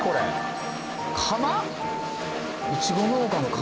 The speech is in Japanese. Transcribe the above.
釜？